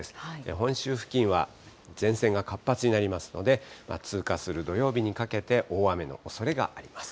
本州付近は前線が活発になりますので、通過する土曜日にかけて、大雨のおそれがあります。